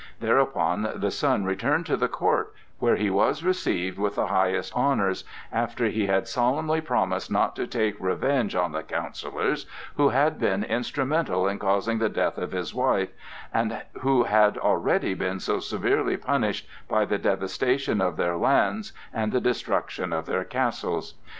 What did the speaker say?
Thereupon the son returned to the court, where he was received with the highest honors, after he had solemnly promised not to take revenge on the counsellors who had been instrumental in causing the death of his wife, and who had already been so severely punished by the devastation of their lands and the destruction of their castles.